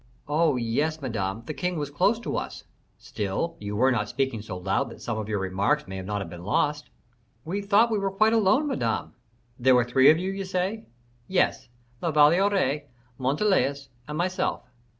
"Oh, yes, Madame, the king was close to us." "Still, you were not speaking so loud that some of your remarks may not have been lost." "We thought we were quite alone, Madame." "There were three of you, you say?" "Yes; La Valliere, Montalais, and myself."